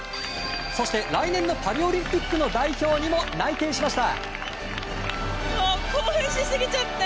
そして来年のパリオリンピックの代表にも内定しました。